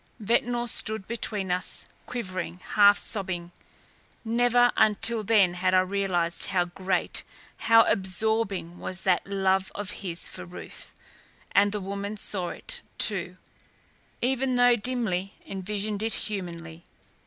Ventnor stood between us, quivering, half sobbing. Never until then had I realized how great, how absorbing was that love of his for Ruth. And the woman saw it, too, even though dimly; envisioned it humanly.